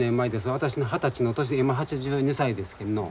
私の二十歳の年今８２歳ですけんのう。